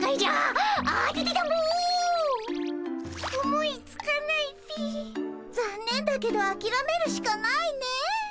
思いつかないっピ。ざんねんだけどあきらめるしかないね。